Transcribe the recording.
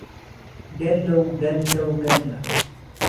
گهللهو گهللهو گهلله